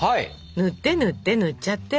ぬってぬってぬっちゃって。